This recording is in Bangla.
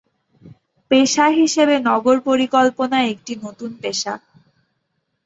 পেশা হিসেবে নগর পরিকল্পনা একটি নতুন পেশা।